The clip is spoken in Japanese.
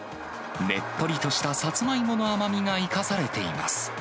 ねっとりとしたサツマイモの甘みが生かされています。